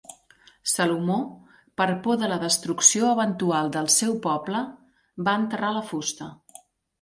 Salomó, per por de la destrucció eventual del seu poble, va enterrar la fusta.